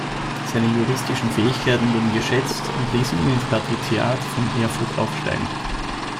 Seine juristischen Fähigkeiten wurden geschätzt und ließen ihn ins Patriziat von Erfurt aufsteigen.